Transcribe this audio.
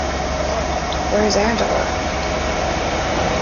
Where's Angela?